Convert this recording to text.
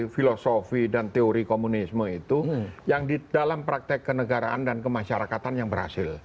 filosofi dan teori komunisme itu yang di dalam praktek kenegaraan dan kemasyarakatan yang berhasil